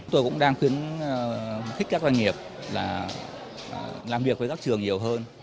tôi cũng đang khuyến khích các doanh nghiệp làm việc với các trường nhiều hơn